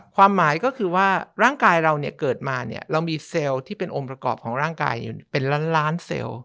ความหมายก็คือว่าร่างกายเราเนี่ยเกิดมาเนี่ยเรามีเซลล์ที่เป็นองค์ประกอบของร่างกายอยู่เป็นล้านล้านเซลล์